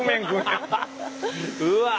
うわ！